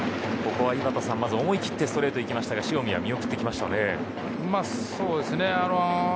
ここは井端さん、思い切ってストレートを行きましたが塩見は見送ってきましたね。